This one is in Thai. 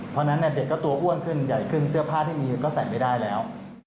เพราะฉะนั้นเด็กก็ตัวอ้วนขึ้นใหญ่ขึ้นเสื้อผ้าที่มีก็ใส่ไม่ได้แล้ว